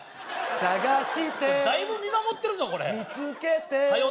探してだいぶ見守ってるぞこれ見つけてはよ